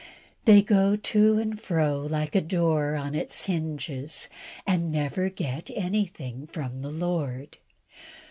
They go to and fro, like a door on its hinges, and never get anything from the Lord.